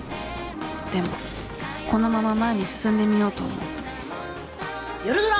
でもこのまま前に進んでみようと思う夜ドラ！